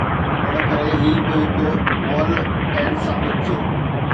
ان ڪري هي به هڪ مئل اينڊ ثابت ٿيندو.